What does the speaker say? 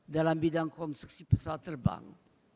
dalam bidang konstruksi pesawat terbang